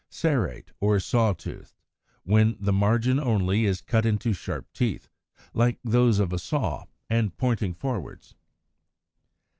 Serrate, or Saw toothed, when the margin only is cut into sharp teeth, like those of a saw, and pointing forwards; as in Fig.